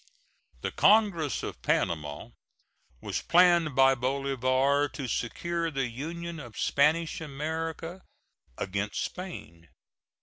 The congress of Panama was planned by Bolivar to secure the union of Spanish America against Spain.